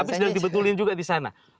tapi sedang dibetulin juga disana